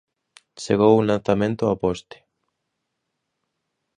Chegou un lanzamento ao poste.